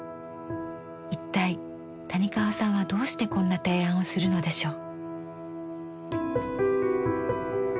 一体谷川さんはどうしてこんな提案をするのでしょう？